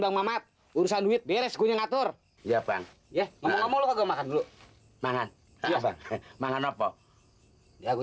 sama mamat urusan duit beres guna atur ya bang ya kamu mau kamu makan dulu